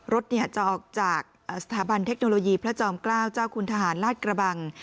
รถจะออกจากสถาบันเทคโนโลยีพระจอมเกล้าเจ้าคุณทหารลาดกระบัง